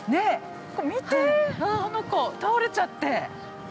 見て、あの子、倒れちゃって。